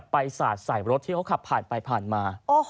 ไปสาดสายรถที่เขาขับผ่านมา